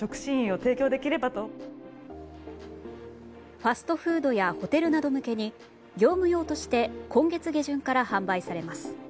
ファストフードやホテル向けに業務用として今月下旬から販売されます。